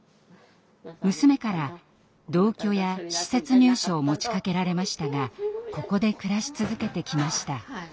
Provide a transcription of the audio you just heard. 娘から同居や施設入所を持ちかけられましたがここで暮らし続けてきました。